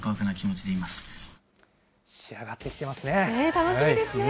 楽しみですね。